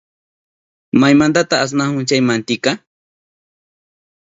¿Maymantata asnahun chay mantika?